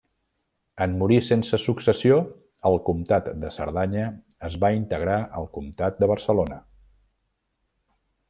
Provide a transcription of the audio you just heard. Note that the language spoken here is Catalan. En morir sense successió el comtat de Cerdanya es va integrar al comtat de Barcelona.